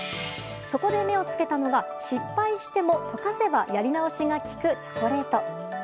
そこで目をつけたのが失敗しても溶かせばやり直しがきくチョコレート。